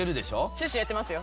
シュッシュやってますよ。